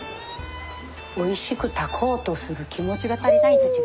おいしく炊こうとする気持ちが足りないんと違うかい？